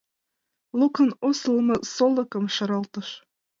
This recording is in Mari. Лукын осылымо солыкым шаралтыш.